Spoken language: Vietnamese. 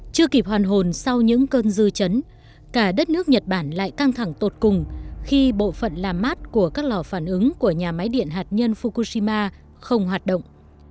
chưa kịp hoàn hồn sau những cơn dư chấn cả đất nước nhật bản lại căng thẳng tột cùng khi bộ phận làm mát của các lò phản ứng của nhà máy điện hạt nhân fukushima không hoạt động